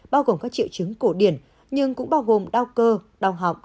bao gồm các triệu chứng cổ điển nhưng cũng bao gồm đau cơ đau họng